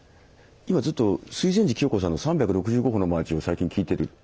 今ずっと水前寺清子さんの「三百六十五歩のマーチ」を最近聴いてる。